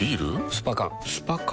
スパ缶スパ缶？